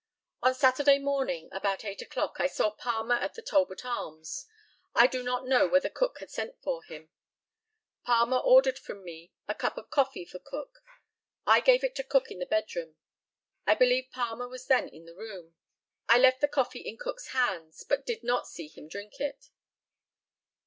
On Saturday morning, about eight o'clock, I saw Palmer at the Talbot Arms. I do not know whether Cook had sent for him. Palmer ordered from me a cup of coffee for Cook. I gave it to Cook in the bedroom. I believe Palmer was then in the room. I left the coffee in Cook's hands, but did not see him drink it.